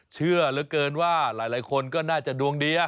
เชื่อเหลือเกินว่าหลายคนก็น่าจะดวงดี